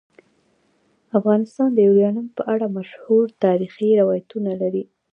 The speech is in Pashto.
افغانستان د یورانیم په اړه مشهور تاریخی روایتونه لري.